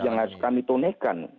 yang harus kami tunihkan